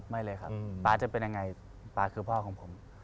ไม่เลยครับป๊าจะเป็นยังไงป๊าคือพ่อของผม